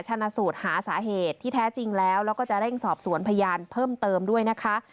ชนะสูตรหาสาเหตุที่แท้จริงแล้วแล้วก็จะเร่งสอบสวนพยานเพิ่มเติมด้วยนะคะ